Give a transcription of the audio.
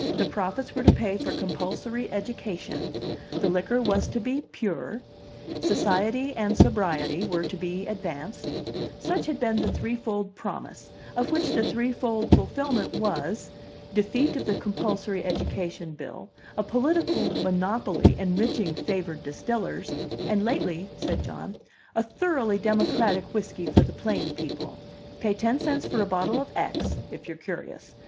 The profits were to pay for compulsory education; the liquor was to be pure; society and sobriety were to be advanced: such had been the threefold promise, of which the threefold fulfillment was defeat of the compulsory education bill, a political monopoly enriching favored distillers, "and lately," said John, "a thoroughly democratic whiskey for the plain people. Pay ten cents for a bottle of X, if you're curious.